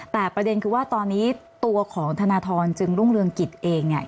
แต่ประเด็นคือว่าตอนนี้ตัวของธนทรจึงรุ่งเรืองกิจเองเนี่ย